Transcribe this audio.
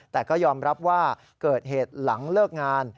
แต่ก็ยอมรับว่าเกิดเหตุหลังเลิกงาน